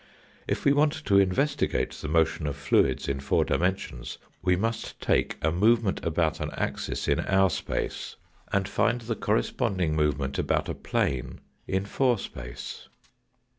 If we want to investigate the motion of fluids in four dimensions we must take a movement about an axis in our space, and 6 82 tHE FOUKTS DIMENSION find the corresponding movement about a plane in four space.